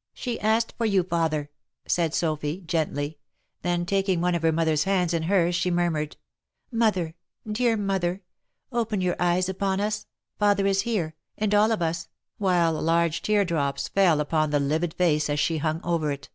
" She asked for you, father," said Sophy gently, then taking one of her mother's hands in hers she murmured, " Mother! — Dear mother I — open your eyes upon us, father is here, and all of us," while large tear drops fell upon the livid face as she hung over it.